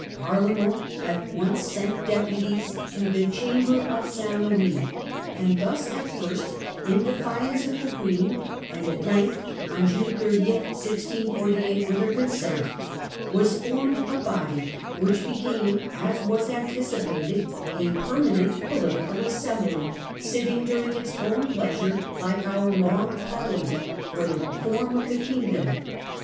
Parlement at once St. Louis. sent deputies to the Chamber of St. Louis ; and thus, at first in defiance of the Queen, and at length, on June 30, 1648, with her consent, was formed a body which became, as was anticipated, a permanent political assembly, sitting during its own pleasure, like our Long Parliament, for the reform of the kingdom.